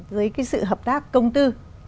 với sự hợp tác công tư